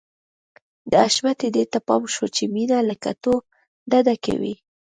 د حشمتي دې ته پام شو چې مينه له کتو ډډه کوي.